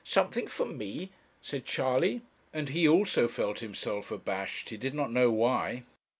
'Something for me!' said Charley; and he also felt himself abashed, he did not know why.